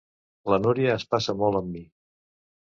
La Núria es passa molt amb mi.